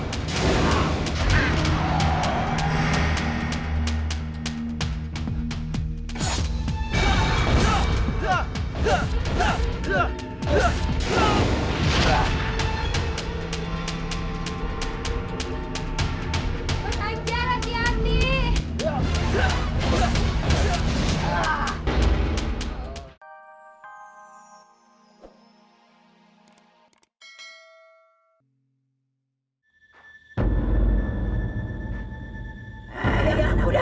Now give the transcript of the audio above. aku mencari nyai medusa